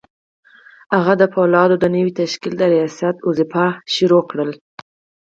هغه د پولادو د نوي تشکيل د رياست دنده پيل کړه.